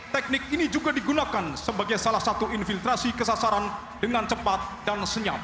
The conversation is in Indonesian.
teknik ini juga digunakan sebagai salah satu infiltrasi kesasaran dengan cepat dan senyap